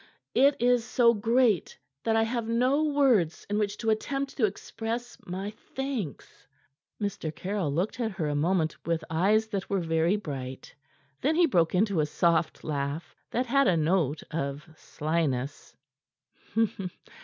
It is so great that I have no words in which to attempt to express my thanks." Mr. Caryll looked at her a moment with eyes that were very bright. Then he broke into a soft laugh that had a note of slyness.